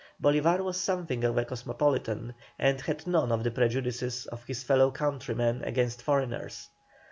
Bolívar was something of a cosmopolitan, and had none of the prejudices of his fellow countrymen against foreigners.